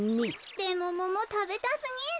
でもモモたべたすぎる。